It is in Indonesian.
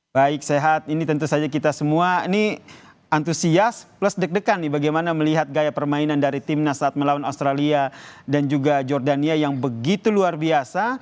baik sehat ini tentu saja kita semua ini antusias plus deg degan nih bagaimana melihat gaya permainan dari timnas saat melawan australia dan juga jordania yang begitu luar biasa